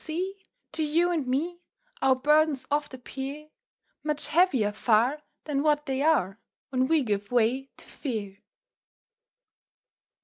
see To you and me Our burdens oft appear Much heavier far Than what they are, When we give way to fear.